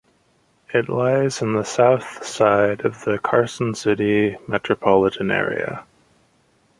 It lies in the south side of the Carson City metropolitan area.